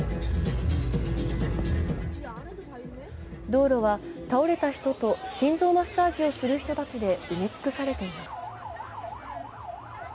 道路は倒れた人と心臓マッサージをする人たちで埋め尽くされています。